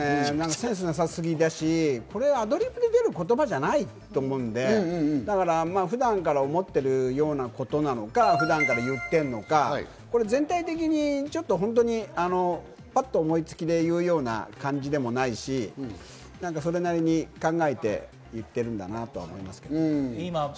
センスなさすぎだし、アドリブで出る言葉じゃないと思うので、普段から思っているようなことなのか、普段から言っているのか、全体的にちょっと本当にパッと思いつきでいうような感じでもないし、それなりに考えて言ってるんだなと思いますね。